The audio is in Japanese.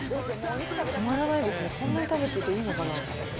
止まらないですね、こんなに食べてていいのかな。